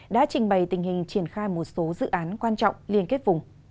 đã trình bày tình hình triển khai một số dự án quan trọng liên kết vùng